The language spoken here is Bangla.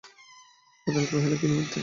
বেতাল কহিল, কী নিমিত্তে?